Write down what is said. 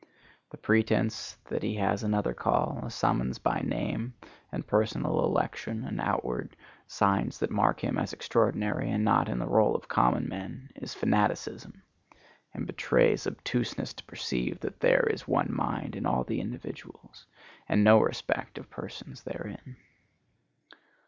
The pretence that he has another call, a summons by name and personal election and outward "signs that mark him extraordinary, and not in the roll of common men," is fanaticism, and betrays obtuseness to perceive that there is one mind in all the individuals, and no respect of persons therein.